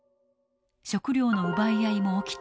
食料の奪い合いも起きていた。